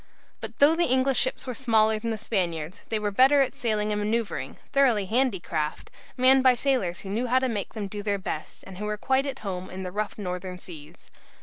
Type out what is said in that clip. But though the English ships were smaller than the Spaniards, they were better at sailing and manoeuvring, thoroughly handy craft, manned by sailors who knew how to make them do their best, and who were quite at home in the rough northern seas.